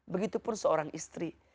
begitu pun seorang istri